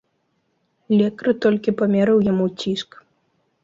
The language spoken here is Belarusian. Лекар толькі памерыў яму ціск.